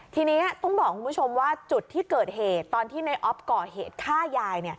ทีนี้ต้องบอกคุณผู้ชมว่าจุดที่เกิดเหตุตอนที่ในออฟก่อเหตุฆ่ายาย